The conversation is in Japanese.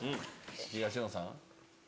東野さん。